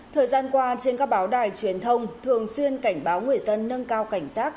thời gian qua trên các báo đài truyền thông thường xuyên cảnh báo người dân nâng cao cảnh giác